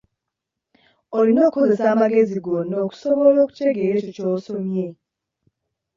Olina okukozesa amagezi gonna okusobola okutegeera ekyo ky’osomye.